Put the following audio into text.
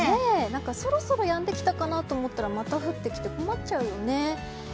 そろそろやんできたかなと思ったらまた降ってきて困っちゃうよね。